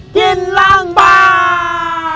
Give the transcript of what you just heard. กินล้างบาง